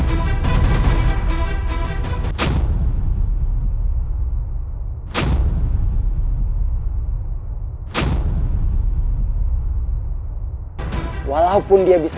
apakah kurs domu kita